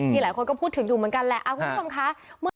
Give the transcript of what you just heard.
หลายคนก็พูดถึงอยู่เหมือนกันแหละคุณผู้ชมค่ะ